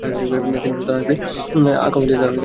তিনি সুলতান হাসমি জালিলুল আলম আকোয়ামদ্দিন নামে পরিচিতি পান।